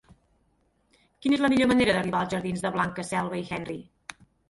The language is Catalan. Quina és la millor manera d'arribar als jardins de Blanca Selva i Henry?